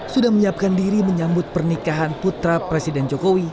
sudah menyiapkan diri menyambut pernikahan putra presiden jokowi